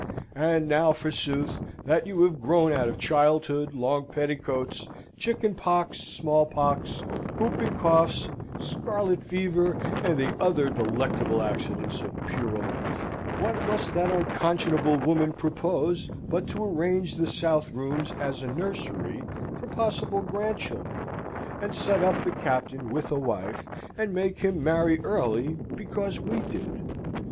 And now, forsooth, that you have grown out of childhood, long petticoats, chicken pox, small pox, whooping cough, scarlet fever, and the other delectable accidents of puerile life, what must that unconscionable woman propose but to arrange the south rooms as a nursery for possible grandchildren, and set up the Captain with a wife, and make him marry early because we did!